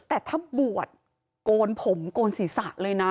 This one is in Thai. แต่ถ้าบวชโกนผมโกนศีรษะเลยนะ